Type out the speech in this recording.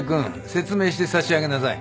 説明してさしあげなさい。